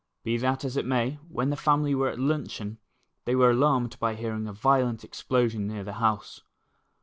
Be that as it may, when the family were at luncheon, they were alarmed by hearing a violent explosion near the house.